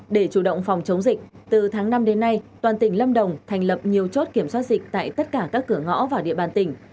để chủ động phòng chống dịch từ tháng năm đến nay toàn tỉnh lâm đồng thành lập nhiều chốt kiểm soát dịch tại tất cả các cửa ngõ vào địa bàn tỉnh